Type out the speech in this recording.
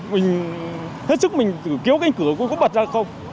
mình hết sức mình cứ kéo cái cửa của nó bật ra không